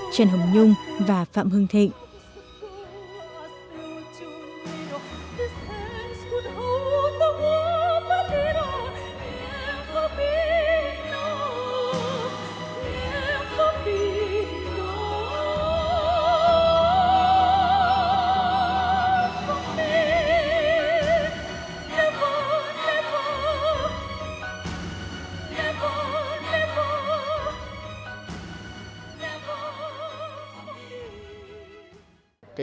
trần hồng nhung và phạm hương thịnh